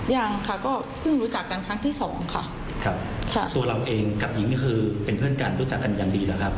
ยังค่ะก็เพิ่งรู้จักกันครั้งที่สองค่ะครับค่ะตัวเราเองกับหญิงนี่คือเป็นเพื่อนกันรู้จักกันอย่างดีแล้วครับ